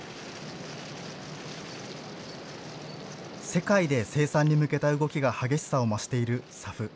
世界で生産に向けた動きが激しさを増しているＳＡＦ。